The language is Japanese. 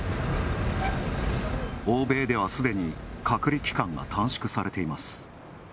欧米ではすでに隔離期間が短縮されています。